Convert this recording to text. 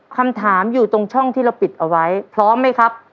คำถามอยู่ตรงช่องที่เราปิดเอาไว้พร้อมไหมครับ